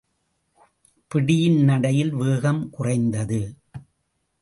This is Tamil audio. பிடியின் நடையில் வேகம் குறைந்தது.